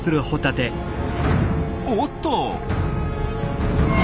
おっと！